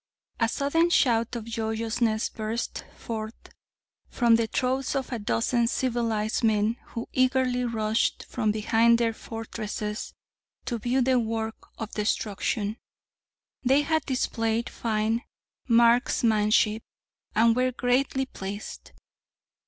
A sudden shout of joyousness burst forth from the throats of a dozen civilized men who eagerly rushed from behind their fortresses to view the work of destruction. They had displayed fine marksmanship and were greatly pleased.